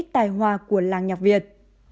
tài hoa của làng nhạc việt